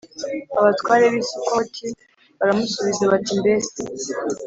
Abatware b i sukoti baramusubiza bati mbese